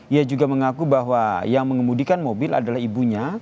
ia juga mengaku bahwa yang mengemudikan mobil adalah ibunya